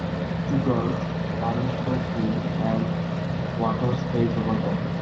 Two girls running through pool while water sprays over them